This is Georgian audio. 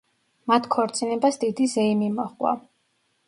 მათ ქორწინებას დიდი ზეიმი მოჰყვა.